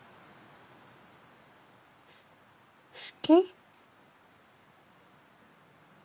好き？